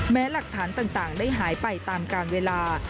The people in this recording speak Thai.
หลักฐานต่างได้หายไปตามการเวลา